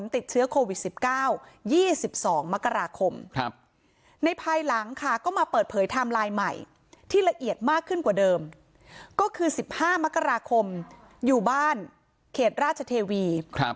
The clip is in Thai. ถ้าเปิดเผยไทม์ไลน์ใหม่ที่ละเอียดมากขึ้นกว่าเดิมก็คือ๑๕มกราคมอยู่บ้านเขตราชเทวี